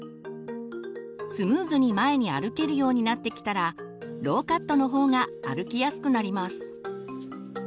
スムーズに前に歩けるようになってきたらローカットの方が歩きやすくなります。